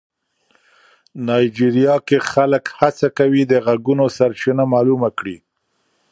نایجیریا کې خلک هڅه کوي د غږونو سرچینه معلومه کړي.